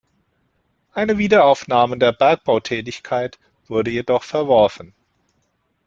Eine Wiederaufnahme der Bergbautätigkeit wurde jedoch verworfen.